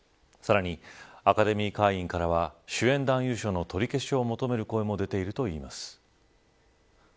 さらにアカデミー会員からは主演男優賞の取り消しを求める声も出ているといいます。